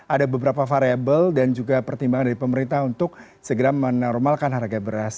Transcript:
ada beberapa variable dan juga pertimbangan dari pemerintah untuk segera menormalkan harga beras